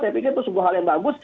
saya pikir itu sebuah hal yang bagus